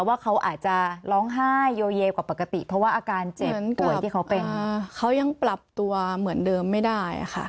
ว่าเขาอาจจะร้องไห้โยเยกว่าปกติเพราะว่าอาการเจ็บป่วยที่เขาเป็นเขายังปรับตัวเหมือนเดิมไม่ได้ค่ะ